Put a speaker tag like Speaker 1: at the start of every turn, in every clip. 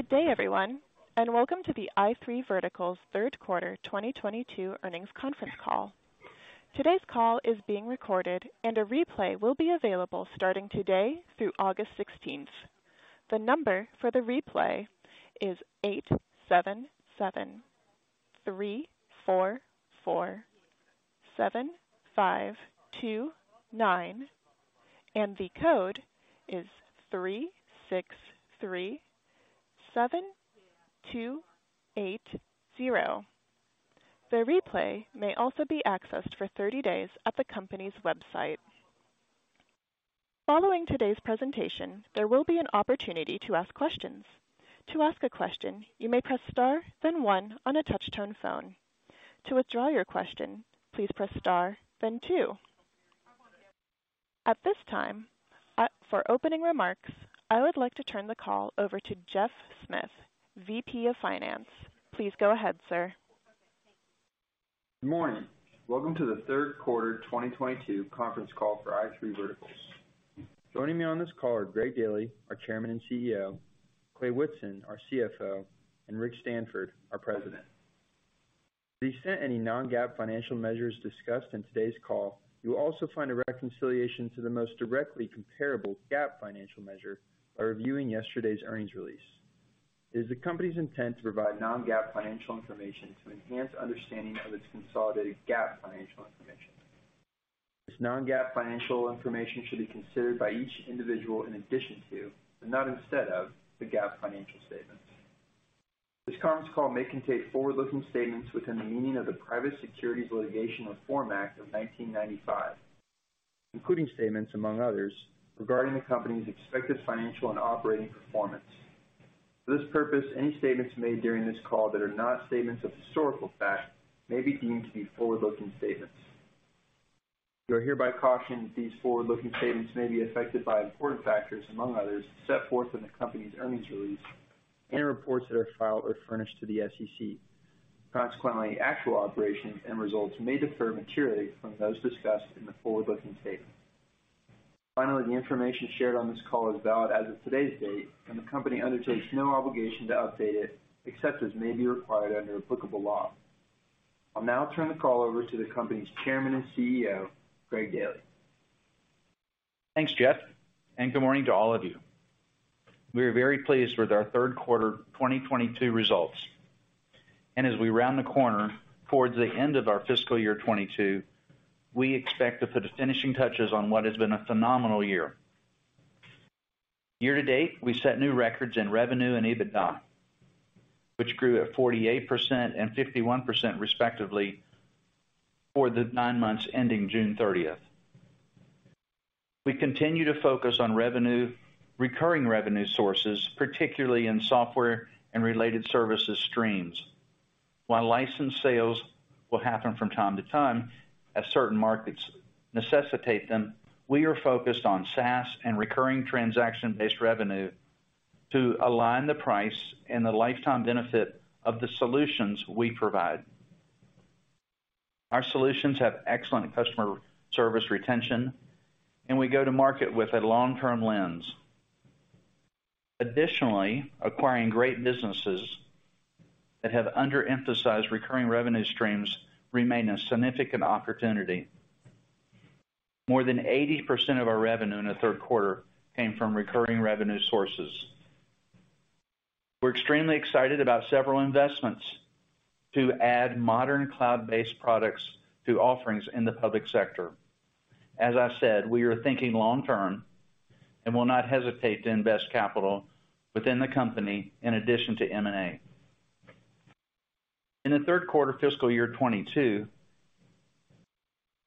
Speaker 1: Good day, everyone, and welcome to the i3 Verticals Third Quarter 2022 Earnings Conference Call. Today's call is being recorded and a replay will be available starting today through August 16. The number for the replay is 877-344-7529, and the code is 3637280. The replay may also be accessed for 30 days at the company's website. Following today's presentation, there will be an opportunity to ask questions. To ask a question, you may press star then one on a touch-tone phone. To withdraw your question, please press star then two. At this time, for opening remarks, I would like to turn the call over to Geoff Smith, VP of Finance. Please go ahead, sir.
Speaker 2: Good morning. Welcome to the third quarter 2022 conference call for i3 Verticals. Joining me on this call are Greg Daily, our Chairman and CEO, Clay Whitson, our CFO, and Rick Stanford, our President. To the extent any non-GAAP financial measures discussed in today's call, you will also find a reconciliation to the most directly comparable GAAP financial measure by reviewing yesterday's earnings release. It is the company's intent to provide non-GAAP financial information to enhance understanding of its consolidated GAAP financial information. This non-GAAP financial information should be considered by each individual in addition to, and not instead of, the GAAP financial statements. This conference call may contain forward-looking statements within the meaning of the Private Securities Litigation Reform Act of 1995, including statements, among others, regarding the company's expected financial and operating performance. For this purpose, any statements made during this call that are not statements of historical fact may be deemed to be forward-looking statements. You are hereby cautioned that these forward-looking statements may be affected by important factors, among others, set forth in the company's earnings release and reports that are filed or furnished to the SEC. Consequently, actual operations and results may differ materially from those discussed in the forward-looking statements. Finally, the information shared on this call is valid as of today's date, and the company undertakes no obligation to update it except as may be required under applicable law. I'll now turn the call over to the company's Chairman and CEO, Greg Daily.
Speaker 3: Thanks, Geoff, and good morning to all of you. We are very pleased with our third quarter 2022 results. As we round the corner towards the end of our fiscal year 2022, we expect to put the finishing touches on what has been a phenomenal year. Year to date, we set new records in revenue and EBITDA, which grew at 48% and 51% respectively for the nine months ending June 30. We continue to focus on revenue, recurring revenue sources, particularly in software and related services streams. While licensed sales will happen from time to time as certain markets necessitate them, we are focused on SaaS and recurring transaction-based revenue to align the price and the lifetime benefit of the solutions we provide. Our solutions have excellent customer service retention, and we go to market with a long-term lens. Additionally, acquiring great businesses that have underemphasized recurring revenue streams remain a significant opportunity. More than 80% of our revenue in the third quarter came from recurring revenue sources. We're extremely excited about several investments to add modern cloud-based products to offerings in the public sector. As I said, we are thinking long term and will not hesitate to invest capital within the company in addition to M&A. In the third quarter fiscal year 2022,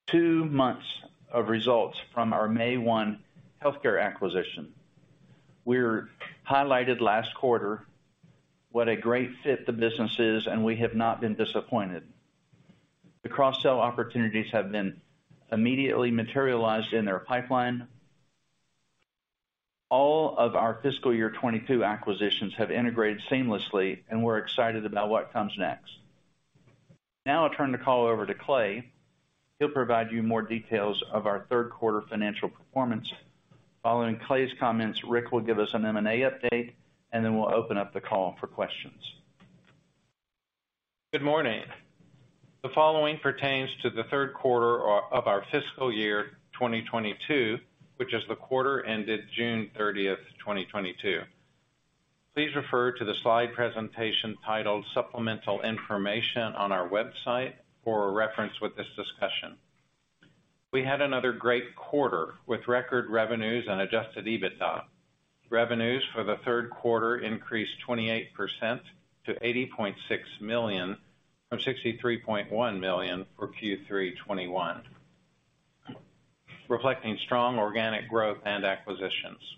Speaker 3: two months of results from our May 1 healthcare acquisition. We highlighted last quarter what a great fit the business is, and we have not been disappointed. The cross-sell opportunities have been immediately materialized in their pipeline. All of our fiscal year 2022 acquisitions have integrated seamlessly, and we're excited about what comes next. Now I'll turn the call over to Clay. He'll provide you more details of our third quarter financial performance. Following Clay's comments, Rick will give us an M&A update, and then we'll open up the call for questions.
Speaker 4: Good morning. The following pertains to the third quarter of our fiscal year 2022, which is the quarter ended June 30, 2022. Please refer to the slide presentation titled Supplemental Information on our website for a reference with this discussion. We had another great quarter with record revenues and Adjusted EBITDA. Revenues for the third quarter increased 28% to $80.6 million from $63.1 million for Q3 2021, reflecting strong organic growth and acquisitions.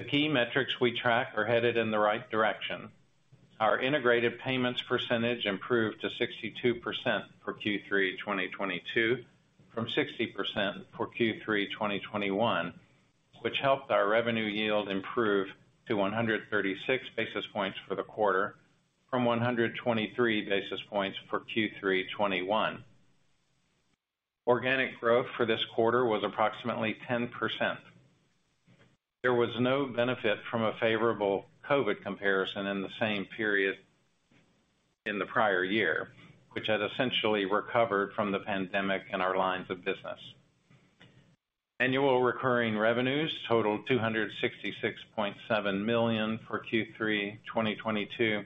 Speaker 4: The key metrics we track are headed in the right direction. Our integrated payments percentage improved to 62% for Q3 2022 from 60% for Q3 2021, which helped our revenue yield improve to 136 basis points for the quarter from 123 basis points for Q3 2021. Organic growth for this quarter was approximately 10%. There was no benefit from a favorable COVID comparison in the same period in the prior year, which had essentially recovered from the pandemic in our lines of business. Annual recurring revenues totaled $266.7 million for Q3 2022,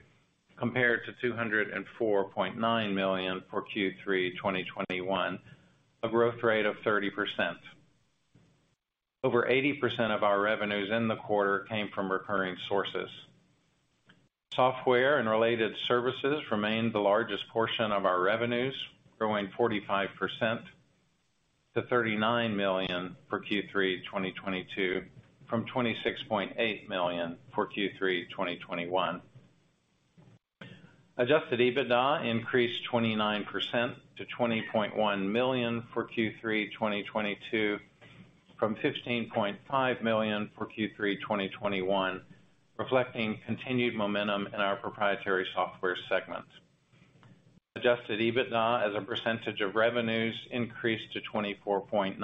Speaker 4: compared to $204.9 million for Q3 2021, a growth rate of 30%. Over 80% of our revenues in the quarter came from recurring sources. Software and related services remained the largest portion of our revenues, growing 45% to $39 million for Q3 2022, from $26.8 million for Q3 2021. Adjusted EBITDA increased 29% to $20.1 million for Q3 2022, from $15.5 million for Q3 2021, reflecting continued momentum in our proprietary software segment. Adjusted EBITDA as a percentage of revenues increased to 24.9%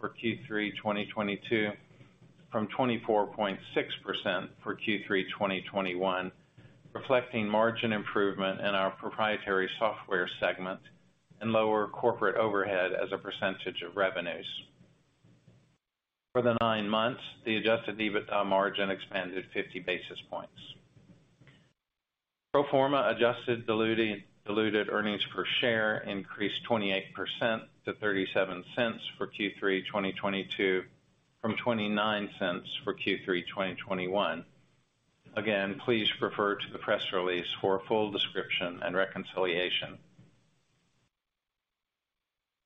Speaker 4: for Q3 2022, from 24.6% for Q3 2021, reflecting margin improvement in our proprietary software segment and lower corporate overhead as a percentage of revenues. For the nine months, the Adjusted EBITDA margin expanded 50 basis points. Pro forma adjusted diluted earnings per share increased 28% to $0.37 for Q3 2022, from $0.29 for Q3 2021. Again, please refer to the press release for a full description and reconciliation.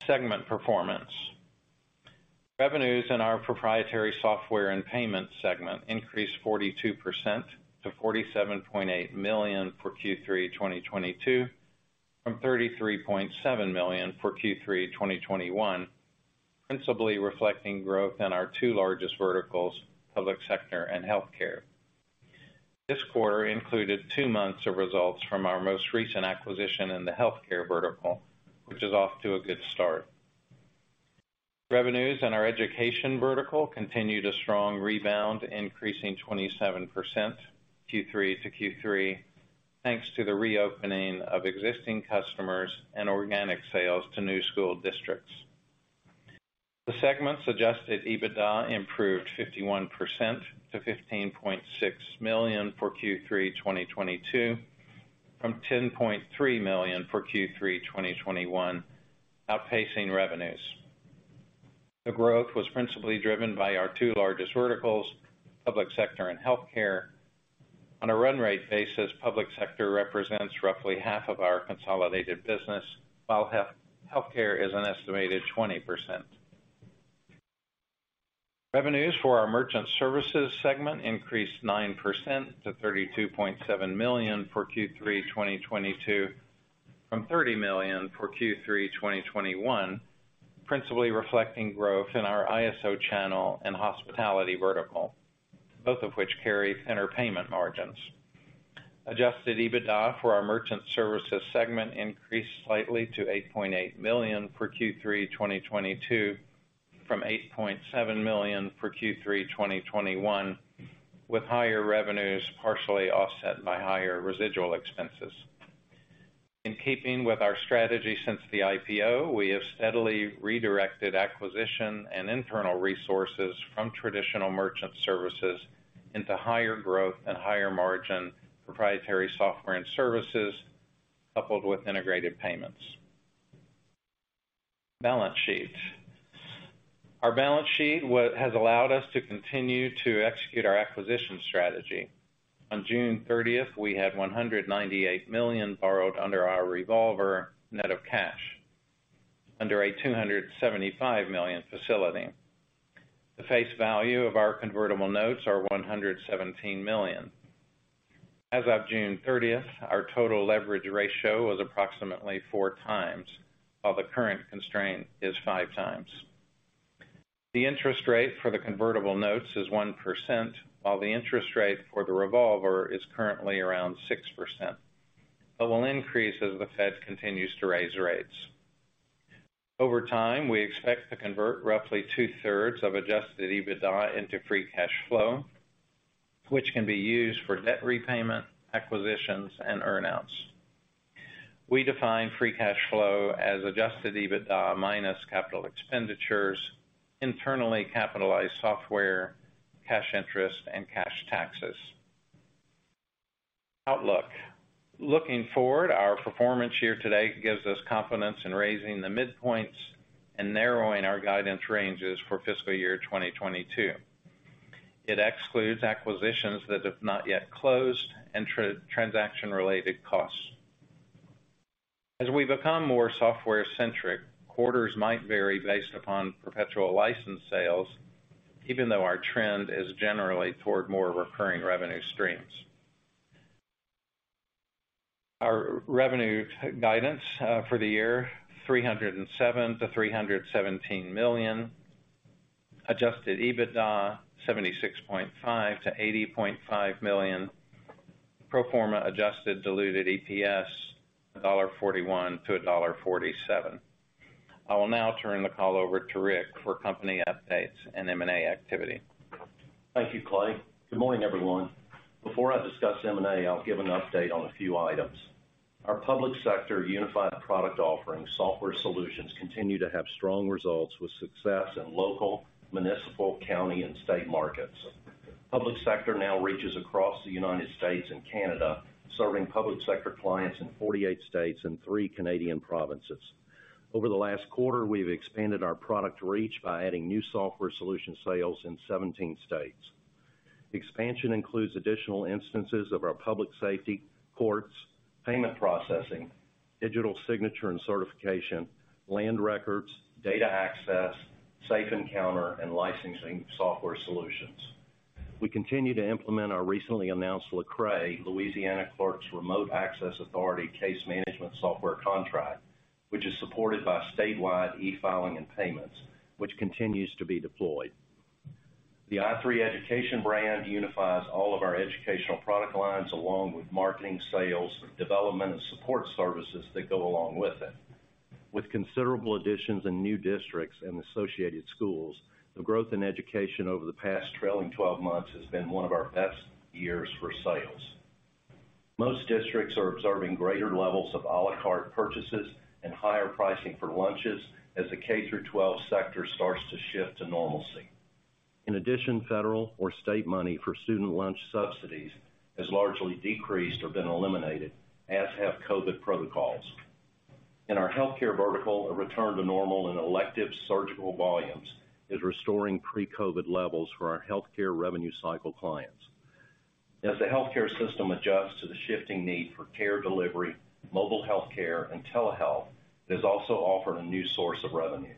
Speaker 4: Segment performance. Revenues in our proprietary software and payments segment increased 42% to $47.8 million for Q3 2022, from $33.7 million for Q3 2021, principally reflecting growth in our two largest verticals, public sector and healthcare. This quarter included two months of results from our most recent acquisition in the healthcare vertical, which is off to a good start. Revenues in our education vertical continued a strong rebound, increasing 27% Q3 to Q3, thanks to the reopening of existing customers and organic sales to new school districts. The segment's Adjusted EBITDA improved 51% to $15.6 million for Q3 2022, from $10.3 million for Q3 2021, outpacing revenues. The growth was principally driven by our two largest verticals, public sector and healthcare. On a run rate basis, public sector represents roughly half of our consolidated business, while healthcare is an estimated 20%. Revenues for our merchant services segment increased 9% to $32.7 million for Q3 2022, from $30 million for Q3 2021, principally reflecting growth in our ISO channel and hospitality vertical, both of which carry thinner payment margins. Adjusted EBITDA for our merchant services segment increased slightly to $8.8 million for Q3 2022, from $8.7 million for Q3 2021, with higher revenues partially offset by higher residual expenses. In keeping with our strategy since the IPO, we have steadily redirected acquisition and internal resources from traditional merchant services into higher growth and higher margin proprietary software and services, coupled with integrated payments. Balance sheet. Our balance sheet has allowed us to continue to execute our acquisition strategy. On June 30th, we had $198 million borrowed under our revolver net of cash under a $275 million facility. The face value of our convertible notes is $117 million. As of June 30th, our total leverage ratio was approximately 4x, while the current constraint is 5x. The interest rate for the convertible notes is 1%, while the interest rate for the revolver is currently around 6%, but will increase as the Fed continues to raise rates. Over time, we expect to convert roughly two-thirds of Adjusted EBITDA into free cash flow, which can be used for debt repayment, acquisitions, and earn outs. We define free cash flow as Adjusted EBITDA minus capital expenditures, internally capitalized software, cash interest, and cash taxes. Outlook. Looking forward, our performance here today gives us confidence in raising the midpoints and narrowing our guidance ranges for fiscal year 2022. It excludes acquisitions that have not yet closed and transaction-related costs. As we become more software-centric, quarters might vary based upon perpetual license sales, even though our trend is generally toward more recurring revenue streams. Our revenue guidance for the year $307 million-$317 million. Adjusted EBITDA $76.5 million-$80.5 million. Pro forma adjusted diluted EPS $1.41-$1.47. I will now turn the call over to Rick for company updates and M&A activity.
Speaker 5: Thank you, Clay. Good morning, everyone. Before I discuss M&A, I'll give an update on a few items. Our public sector unified product offering software solutions continue to have strong results with success in local, municipal, county, and state markets. Public sector now reaches across the United States and Canada, serving public sector clients in 48 states and three Canadian provinces. Over the last quarter, we've expanded our product reach by adding new software solution sales in 17 states. Expansion includes additional instances of our public safety, courts, payment processing, digital signature and certification, land records, data access, SafeEncounter, and licensing software solutions. We continue to implement our recently announced LCRAA, Louisiana Clerks' Remote Access Authority case management software contract, which is supported by statewide e-filing and payments, which continues to be deployed. The i3 Education brand unifies all of our educational product lines along with marketing, sales, development, and support services that go along with it. With considerable additions in new districts and associated schools, the growth in education over the past trailing twelve months has been one of our best years for sales. Most districts are observing greater levels of à la carte purchases and higher pricing for lunches as the K-12 sector starts to shift to normalcy. In addition, federal or state money for student lunch subsidies has largely decreased or been eliminated, as have COVID protocols. In our healthcare vertical, a return to normal and elective surgical volumes is restoring pre-COVID levels for our healthcare revenue cycle clients. As the healthcare system adjusts to the shifting need for care delivery, mobile healthcare, and telehealth has also offered a new source of revenue.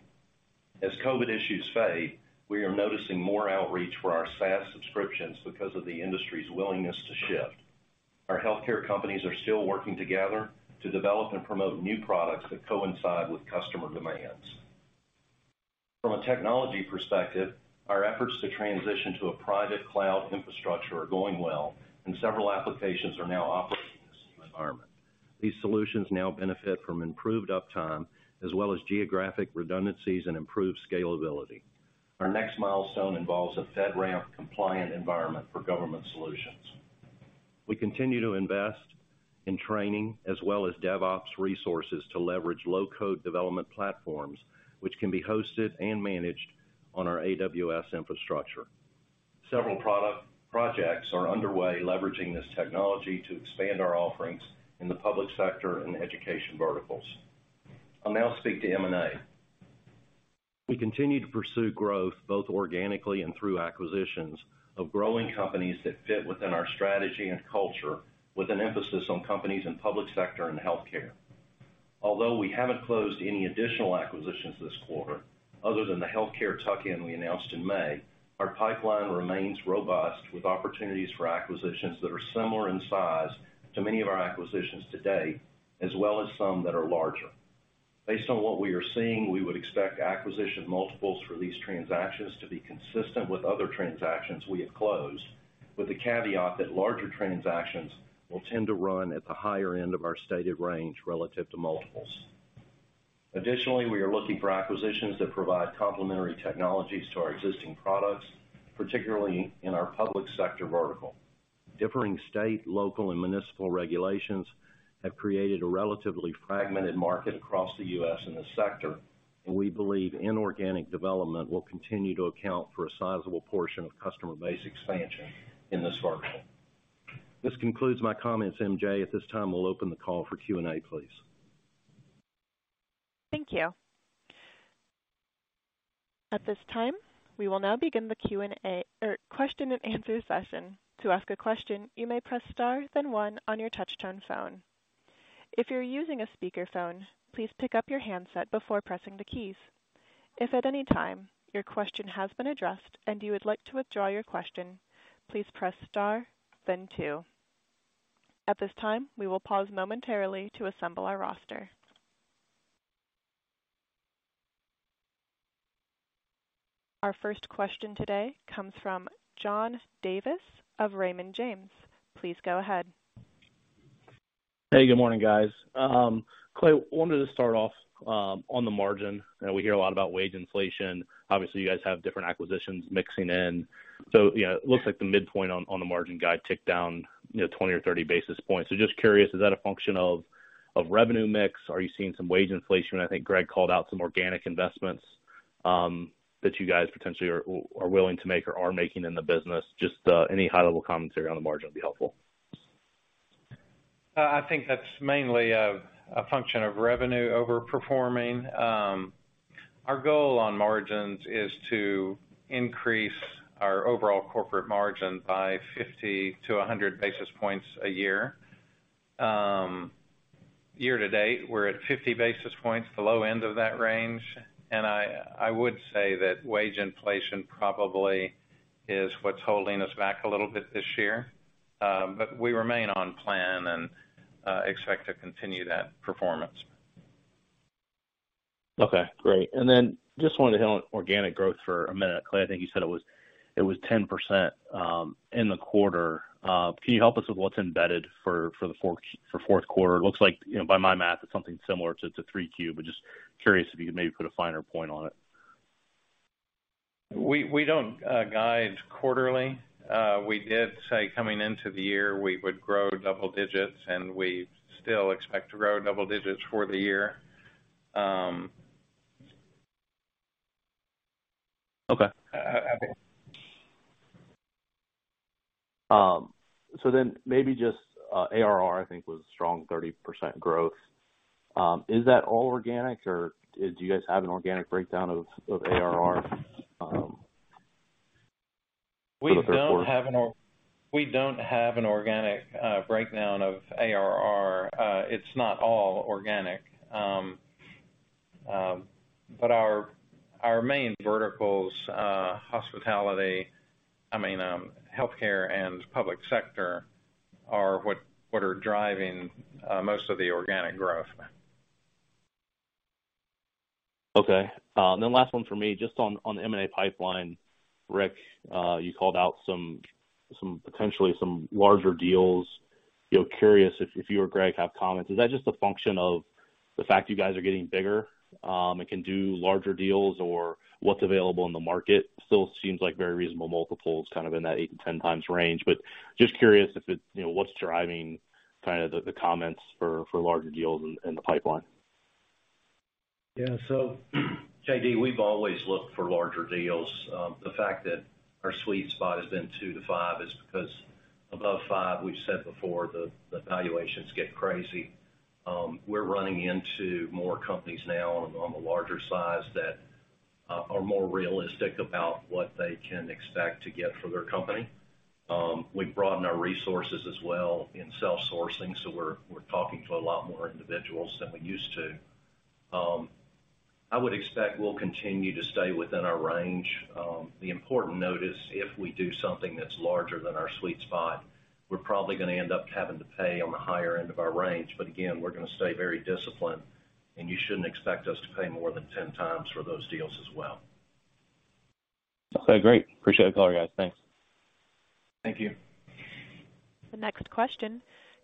Speaker 5: As COVID issues fade, we are noticing more outreach for our SaaS subscriptions because of the industry's willingness to shift. Our healthcare companies are still working together to develop and promote new products that coincide with customer demands. From a technology perspective, our efforts to transition to a private cloud infrastructure are going well, and several applications are now operating in this new environment. These solutions now benefit from improved uptime as well as geographic redundancies and improved scalability. Our next milestone involves a FedRAMP compliant environment for government solutions. We continue to invest in training as well as DevOps resources to leverage low-code development platforms, which can be hosted and managed on our AWS infrastructure. Several product projects are underway leveraging this technology to expand our offerings in the public sector and education verticals. I'll now speak to M&A. We continue to pursue growth both organically and through acquisitions of growing companies that fit within our strategy and culture, with an emphasis on companies in public sector and healthcare. Although we haven't closed any additional acquisitions this quarter, other than the healthcare tuck-in we announced in May, our pipeline remains robust with opportunities for acquisitions that are similar in size to many of our acquisitions to date, as well as some that are larger. Based on what we are seeing, we would expect acquisition multiples for these transactions to be consistent with other transactions we have closed, with the caveat that larger transactions will tend to run at the higher end of our stated range relative to multiples. Additionally, we are looking for acquisitions that provide complementary technologies to our existing products, particularly in our public sector vertical. Differing state, local, and municipal regulations have created a relatively fragmented market across the U.S. in this sector, and we believe inorganic development will continue to account for a sizable portion of customer base expansion in this vertical. This concludes my comments, M.J. At this time, we'll open the call for Q&A, please.
Speaker 1: Thank you. At this time, we will now begin the Q&A or question and answer session. To ask a question, you may press star then one on your touch-tone phone. If you're using a speakerphone, please pick up your handset before pressing the keys. If at any time your question has been addressed and you would like to withdraw your question, please press star then two. At this time, we will pause momentarily to assemble our roster. Our first question today comes from John Davis of Raymond James. Please go ahead.
Speaker 6: Hey, good morning, guys. Clay, wanted to start off on the margin. You know, we hear a lot about wage inflation. Obviously, you guys have different acquisitions mixing in. You know, it looks like the midpoint on the margin guidance ticked down 20 or 30 basis points. Just curious, is that a function of revenue mix? Are you seeing some wage inflation? I think Greg called out some organic investments that you guys potentially are willing to make or are making in the business. Just any high-level commentary on the margin would be helpful.
Speaker 4: I think that's mainly a function of revenue overperforming. Our goal on margins is to increase our overall corporate margin by 50-100 basis points a year. Year to date, we're at 50 basis points, the low end of that range. I would say that wage inflation probably is what's holding us back a little bit this year. We remain on plan and expect to continue that performance.
Speaker 6: Okay, great. Just wanted to hit on organic growth for a minute. Clay, I think you said it was 10% in the quarter. Can you help us with what's embedded for fourth quarter? It looks like, you know, by my math, it's something similar to 3Q, but just curious if you could maybe put a finer point on it.
Speaker 4: We don't guide quarterly. We did say coming into the year we would grow double digits, and we still expect to grow double digits for the year.
Speaker 6: Okay.
Speaker 4: Okay.
Speaker 6: Maybe just ARR, I think, was a strong 30% growth. Is that all organic or did you guys have an organic breakdown of ARR for the third quarter?
Speaker 4: We don't have an organic breakdown of ARR. It's not all organic. Our main verticals, hospitality, I mean, healthcare and public sector are what are driving most of the organic growth.
Speaker 6: Okay. Last one for me, just on M&A pipeline. Rick, you called out some potentially larger deals. You know, curious if you or Greg have comments. Is that just a function of the fact you guys are getting bigger and can do larger deals or what's available in the market? Still seems like very reasonable multiples kind of in that 8x-10x range. Just curious if it's, you know, what's driving kind of the comments for larger deals in the pipeline.
Speaker 5: Yeah. JD, we've always looked for larger deals. The fact that our sweet spot has been two to five is because above five, we've said before, the valuations get crazy. We're running into more companies now on the larger size that are more realistic about what they can expect to get for their company. We've broadened our resources as well in self-sourcing, so we're talking to a lot more individuals than we used to. I would expect we'll continue to stay within our range. The important note is if we do something that's larger than our sweet spot, we're probably gonna end up having to pay on the higher end of our range. Again, we're gonna stay very disciplined, and you shouldn't expect us to pay more than 10x for those deals as well.
Speaker 6: Okay, great. Appreciate the call, guys. Thanks.
Speaker 5: Thank you.
Speaker 1: The next question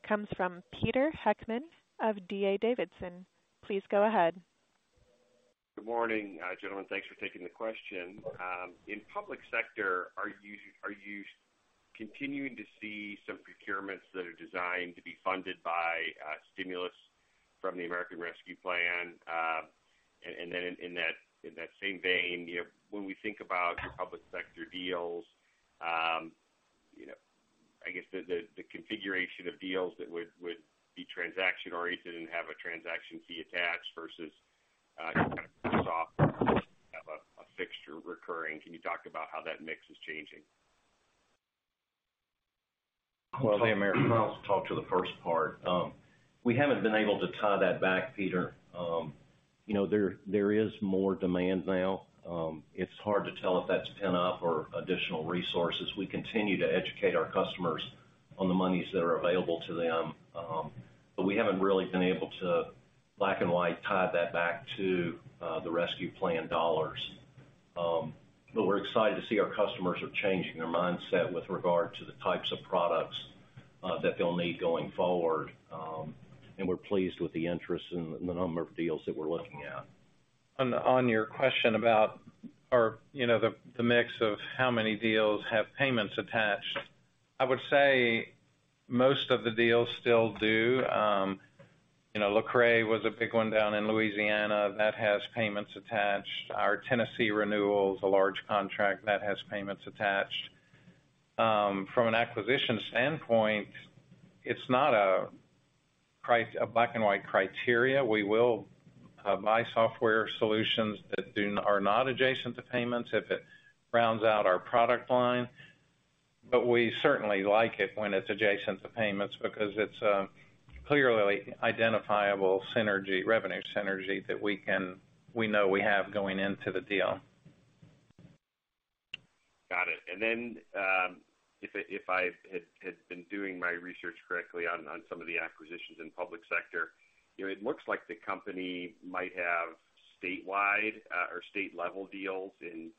Speaker 1: comes from Peter Heckmann of D.A. Davidson. Please go ahead.
Speaker 7: Good morning, gentlemen. Thanks for taking the question. In public sector, are you continuing to see some procurements that are designed to be funded by stimulus from the American Rescue Plan? In that same vein, you know, when we think about your public sector deals, you know, I guess the configuration of deals that would be transaction-oriented and have a transaction fee attached versus kind of software have a fixed recurring. Can you talk about how that mix is changing?
Speaker 5: Well, let me, I'll talk to the first part. We haven't been able to tie that back, Peter. You know, there is more demand now. It's hard to tell if that's pent-up or additional resources. We continue to educate our customers on the monies that are available to them. But we haven't really been able to black and white tie that back to the American Rescue Plan dollars. But we're excited to see our customers are changing their mindset with regard to the types of products that they'll need going forward. We're pleased with the interest and the number of deals that we're looking at.
Speaker 4: On your question about, you know, the mix of how many deals have payments attached, I would say most of the deals still do. You know, LCRAA was a big one down in Louisiana that has payments attached. Our Tennessee renewal is a large contract that has payments attached. From an acquisition standpoint, it's not a black and white criteria. We will buy software solutions that are not adjacent to payments if it rounds out our product line. We certainly like it when it's adjacent to payments because it's a clearly identifiable synergy, revenue synergy that we can, we know we have going into the deal.
Speaker 7: Got it. If I had been doing my research correctly on some of the acquisitions in public sector, you know, it looks like the company might have statewide or state-level deals in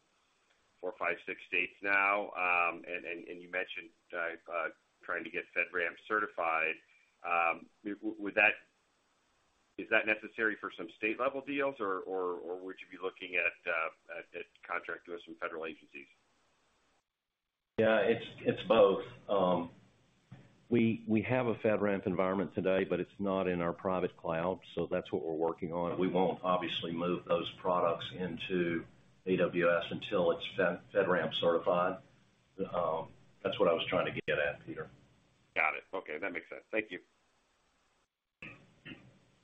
Speaker 7: four, five, six states now. You mentioned trying to get FedRAMP certified. Is that necessary for some state-level deals or would you be looking at a contract with some federal agencies?
Speaker 4: Yeah, it's both. We have a FedRAMP environment today, but it's not in our private cloud, so that's what we're working on. We won't obviously move those products into AWS until it's FedRAMP certified. That's what I was trying to get at, Peter.
Speaker 7: Got it. Okay, that makes sense. Thank you.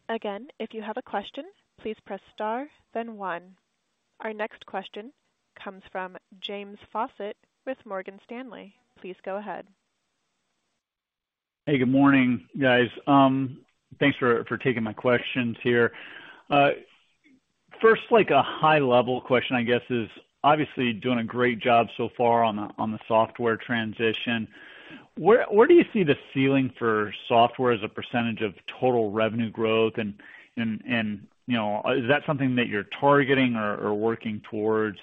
Speaker 1: Again, if you have a question, please press star then one. Our next question comes from James Faucette with Morgan Stanley. Please go ahead.
Speaker 8: Hey, good morning, guys. Thanks for taking my questions here. First, like a high-level question, I guess is obviously doing a great job so far on the software transition. Where do you see the ceiling for software as a percentage of total revenue growth? And you know, is that something that you're targeting or working towards?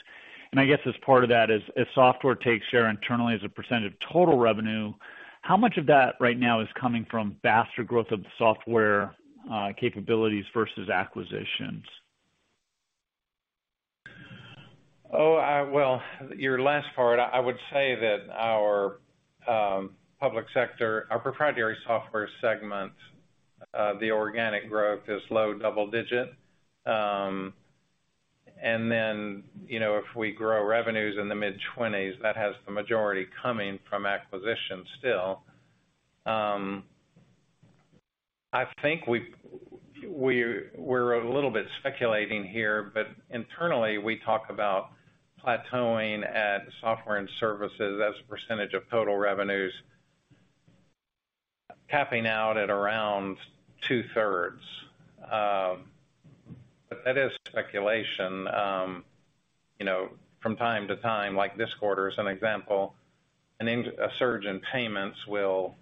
Speaker 8: I guess as part of that is if software takes share internally as a percent of total revenue, how much of that right now is coming from faster growth of the software capabilities versus acquisitions?
Speaker 4: Well, your last part, I would say that our public sector, our proprietary software segment, the organic growth is low double-digit%. Then, you know, if we grow revenues in the mid-20s%, that has the majority coming from acquisitions still. I think we're a little bit speculating here, but internally we talk about plateauing at software and services as a percentage of total revenues capping out at around two-thirds. That is speculation. You know, from time to time, like this quarter as an example, a surge in payments will.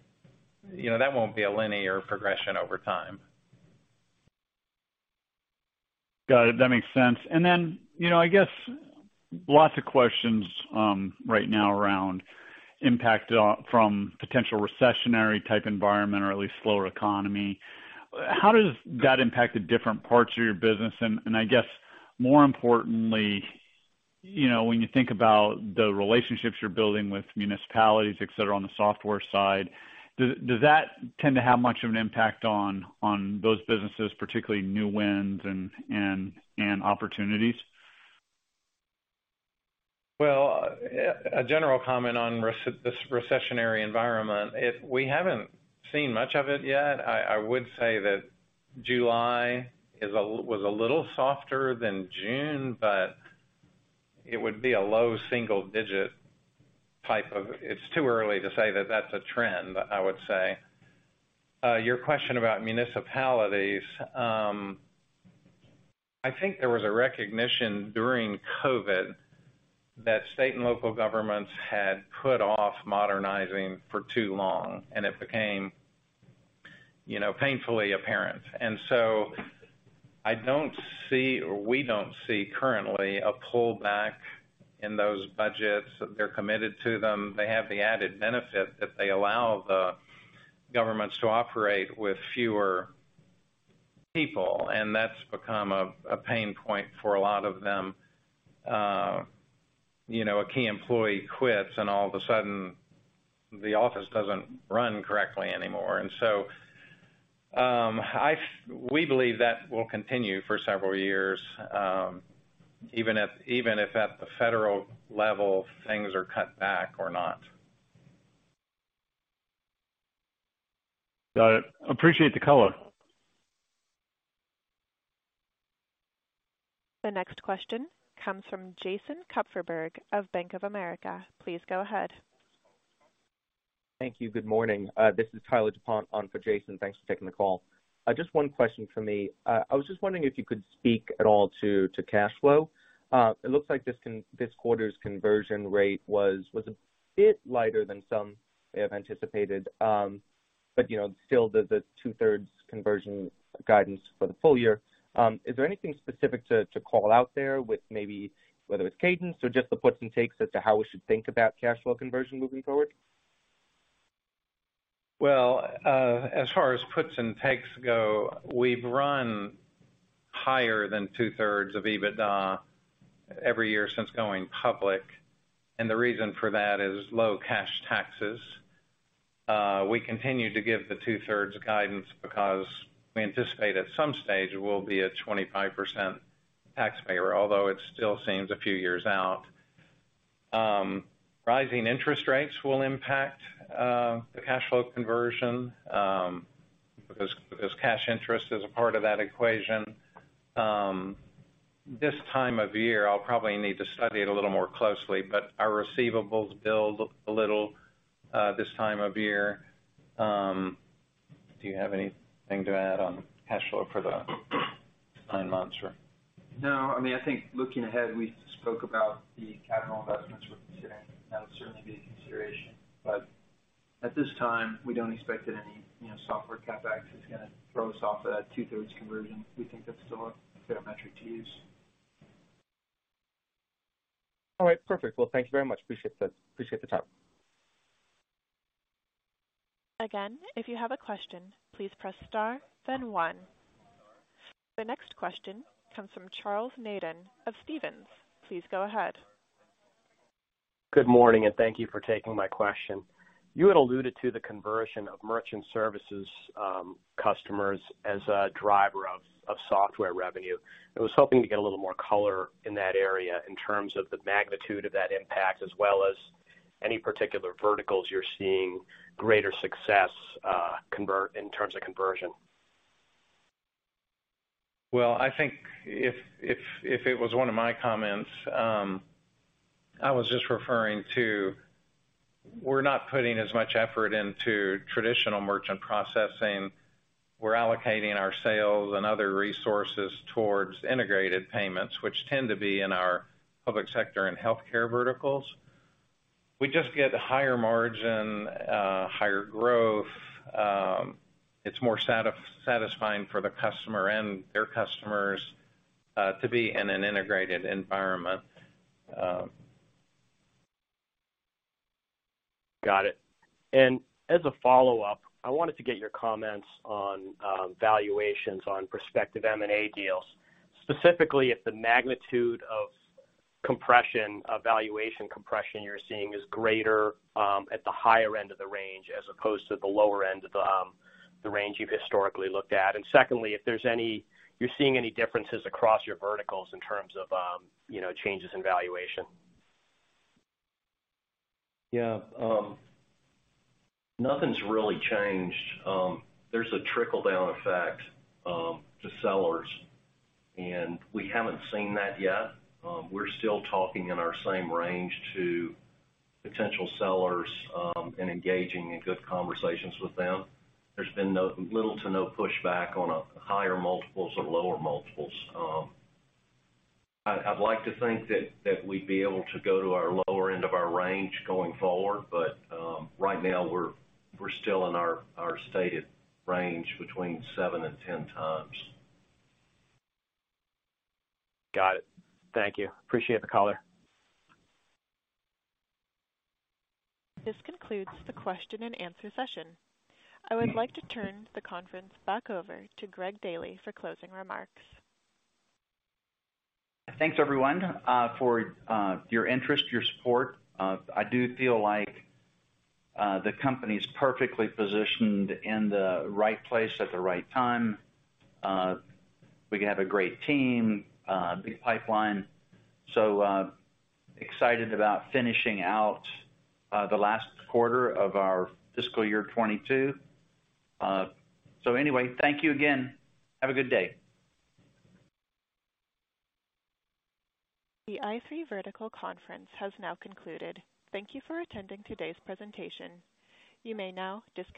Speaker 4: You know, that won't be a linear progression over time.
Speaker 8: Got it. That makes sense. You know, I guess lots of questions right now around impact from potential recessionary type environment or at least slower economy. How does that impact the different parts of your business? I guess more importantly, you know, when you think about the relationships you're building with municipalities, et cetera, on the software side, does that tend to have much of an impact on those businesses, particularly new wins and opportunities?
Speaker 4: A general comment on this recessionary environment, if we haven't seen much of it yet, I would say that July was a little softer than June, but it would be a low single digit type of. It's too early to say that that's a trend, I would say. Your question about municipalities, I think there was a recognition during COVID that state and local governments had put off modernizing for too long, and it became, you know, painfully apparent. I don't see or we don't see currently a pullback in those budgets. They're committed to them. They have the added benefit that they allow the governments to operate with fewer people, and that's become a pain point for a lot of them. You know, a key employee quits, and all of a sudden the office doesn't run correctly anymore. We believe that will continue for several years, even if at the federal level, things are cut back or not.
Speaker 8: Got it. Appreciate the color.
Speaker 1: The next question comes from Jason Kupferberg of Bank of America. Please go ahead.
Speaker 9: Thank you. Good morning. This is Tyler DuPont on for Jason Kupferberg. Thanks for taking the call. Just one question for me. I was just wondering if you could speak at all to cash flow. It looks like this quarter's conversion rate was a bit lighter than some may have anticipated, but you know, still the two-thirds conversion guidance for the full year. Is there anything specific to call out there with maybe whether it's cadence or just the puts and takes as to how we should think about cash flow conversion moving forward?
Speaker 4: Well, as far as puts and takes go, we've run higher than two-thirds of EBITDA every year since going public, and the reason for that is low cash taxes. We continue to give the two-thirds guidance because we anticipate at some stage we'll be a 25% taxpayer, although it still seems a few years out. Rising interest rates will impact the cash flow conversion, as cash interest is a part of that equation. This time of year, I'll probably need to study it a little more closely, but our receivables build a little this time of year. Do you have anything to add on cash flow for the nine months or?
Speaker 2: No. I mean, I think looking ahead, we spoke about the capital investments we're considering. That would certainly be a consideration, but at this time, we don't expect that any, you know, software CapEx is gonna throw us off of that two-thirds conversion. We think that's still a fair metric to use.
Speaker 9: All right. Perfect. Well, thank you very much. Appreciate the time.
Speaker 1: Again, if you have a question, please press star then one. The next question comes from Charles Nabhan of Stephens. Please go ahead.
Speaker 10: Good morning, and thank you for taking my question. You had alluded to the conversion of merchant services customers as a driver of software revenue. I was hoping to get a little more color in that area in terms of the magnitude of that impact as well as any particular verticals you're seeing greater success in terms of conversion.
Speaker 4: Well, I think if it was one of my comments, I was just referring to
Speaker 3: We're not putting as much effort into traditional merchant processing. We're allocating our sales and other resources towards integrated payments, which tend to be in our public sector and healthcare verticals. We just get higher margin, higher growth. It's more satisfying for the customer and their customers, to be in an integrated environment.
Speaker 10: Got it. As a follow-up, I wanted to get your comments on valuations on prospective M&A deals. Specifically, if the magnitude of compression, valuation compression you're seeing is greater at the higher end of the range as opposed to the lower end of the range you've historically looked at. Secondly, if you're seeing any differences across your verticals in terms of you know changes in valuation.
Speaker 3: Yeah. Nothing's really changed. There's a trickle-down effect to sellers, and we haven't seen that yet. We're still talking in our same range to potential sellers and engaging in good conversations with them. There's been little to no pushback on higher multiples or lower multiples. I'd like to think that we'd be able to go to our lower end of our range going forward, but right now we're still in our stated range between 7x and 10x.
Speaker 10: Got it. Thank you. Appreciate the call there.
Speaker 1: This concludes the question and answer session. I would like to turn the conference back over to Greg Daily for closing remarks.
Speaker 3: Thanks, everyone, for your interest, your support. I do feel like the company is perfectly positioned in the right place at the right time. We have a great team, a big pipeline, so excited about finishing out the last quarter of our fiscal year 2022. Anyway, thank you again. Have a good day.
Speaker 1: The i3 Verticals Conference has now concluded. Thank you for attending today's presentation. You may now disconnect.